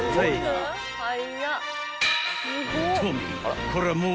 ［トミー］